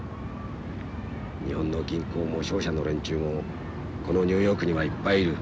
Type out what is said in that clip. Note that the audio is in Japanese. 日本の銀行も商社の連中もこのニューヨークにはいっぱいいる。